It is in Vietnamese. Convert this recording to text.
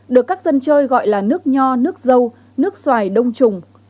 được các dân chơi gọi là nước nho nước dâu nước xoài đông trùng